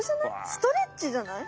ストレッチじゃない？